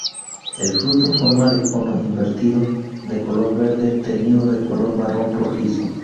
El fruto forma de cono invertido de color verde, teñido de color marrón rojizo.